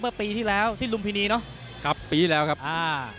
ปีที่แล้วที่ลุมพินีเนอะกลับปีแล้วครับอ่า